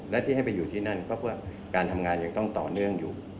และที่ให้ไปอยู่ที่นั่นก็เพื่อการทำงานยังต้องต่อเนื่องอยู่